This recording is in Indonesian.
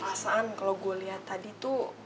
perasaan kalo gue liat tadi tuh